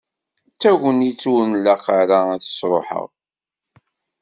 D tagnit ur nlaq ara ad tt-sruḥeɣ.